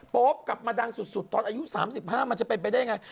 โป๊ปกลับมาดังสุดตอนอายุ๓๕มันจะเป็นไปได้ยังไง